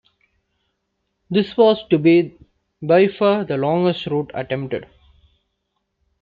This was to be by far the longest route attempted.